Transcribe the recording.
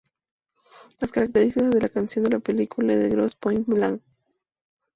Las características de la canción de la película de "Grosse Pointe Blank".